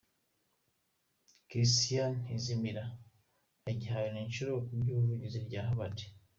Christian Ntizimira, agihawe n’Ishuri ry’Ubuvuzi rya Harvard.